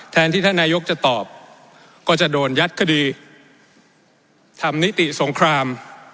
ที่ท่านนายกจะตอบก็จะโดนยัดคดีทำนิติสงคราม